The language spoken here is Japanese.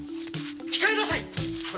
控えなさい！